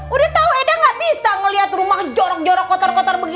udah tau eda gak bisa ngeliat rumah jorok jorok kotor kotor begini